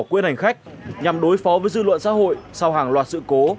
quên hành khách nhằm đối phó với dư luận xã hội sau hàng loạt sự cố